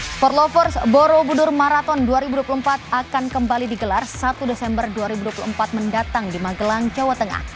sport lovers borobudur marathon dua ribu dua puluh empat akan kembali digelar satu desember dua ribu dua puluh empat mendatang di magelang jawa tengah